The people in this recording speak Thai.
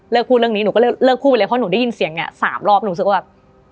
เลิกพูดเรื่องนี้หนูก็เลิกพูดไปเลยเพราะหนูได้ยินเสียง๓รอบหนูก็แบบ